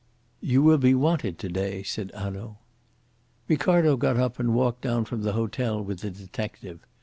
"You will be wanted to day," said Hanaud. Ricardo got up and walked down from the hotel with the detective.